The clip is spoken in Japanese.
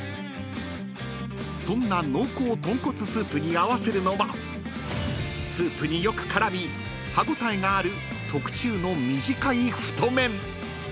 ［そんな濃厚豚骨スープに合わせるのはスープによく絡み歯応えがある特注の短い太麺］